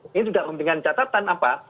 ini sudah dengan catatan apa